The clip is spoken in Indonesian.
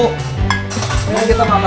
semuanya kita ngamantuh sebelum ngatiin